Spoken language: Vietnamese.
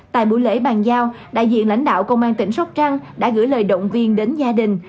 tại buổi lễ bàn giao đại diện lãnh đạo công an tỉnh sóc trăng đã gửi lời động viên đến gia đình